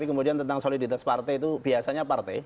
kemudian tentang soliditas partai itu biasanya partai